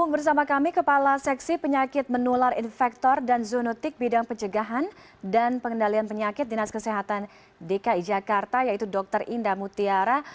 bersama kami kepala seksi penyakit menular infektor dan zoonotik bidang pencegahan dan pengendalian penyakit dinas kesehatan dki jakarta yaitu dr indah mutiara